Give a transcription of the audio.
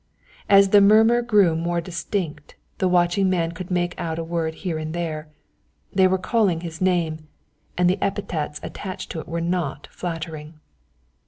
As the murmur grew more distinct, the watching man could make out a word here and there; they were calling his name, and the epithets attached to it were not flattering.